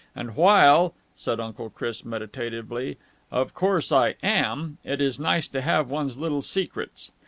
And while," said Uncle Chris meditatively, "of course I am, it is nice to have one's little secrets.